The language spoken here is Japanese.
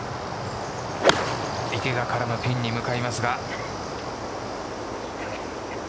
池が絡めばピンに向かいますが。